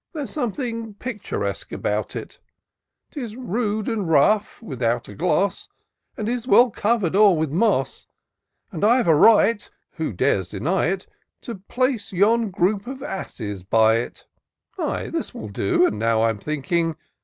There's something picturesque about it : 'Tis rude and rough, without a gloss. And is well covered o'er with moss ; And I've a right — (who dares deny it?) To place yon group of asses by it. Ay ! this will do : and now I'm thinking.